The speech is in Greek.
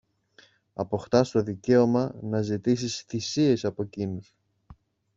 αποκτάς το δικαίωμα να ζητήσεις θυσίες από κείνους